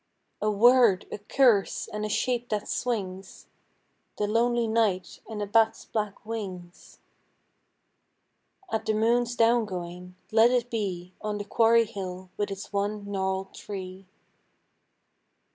A word, a curse, and a shape that swings; The lonely night and a bat's black wings.... At the moon's down going, let it be On the quarry hill with its one gnarled tree.